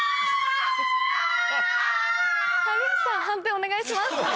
判定お願いします。